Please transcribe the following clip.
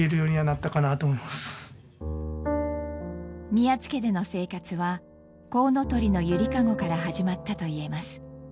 宮津家での生活はこうのとりのゆりかごから始まったといえます。